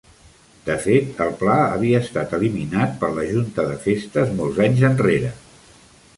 De fet, el pla havia estat eliminat per la junta de festes molts anys enrere.